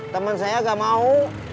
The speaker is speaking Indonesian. teman saya enggak mau